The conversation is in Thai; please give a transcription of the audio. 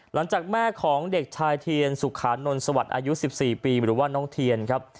หลังจากแม่ของเด็กชายเทียนสุขานนทสวัสดิ์อายุ๑๔ปีหรือว่าน้องเทียนครับ